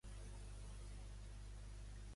Què hi ha a can Suñol?